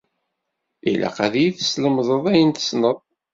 Ilaq ad yi-teslemdeḍ ayen tessneḍ.